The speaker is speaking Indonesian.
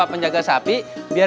ke bekasi udh pajak